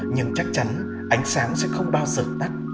nhưng chắc chắn ánh sáng sẽ không bao giờ tắt